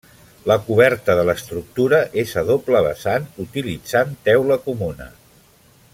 La coberta de l'estructura és a doble vessant, utilitzant teula comuna.